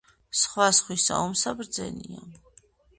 სხვა სხვისა ომსა ბრძენია